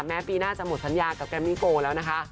ปีหน้าจะหมดสัญญากับแกมมี่โกแล้วนะคะ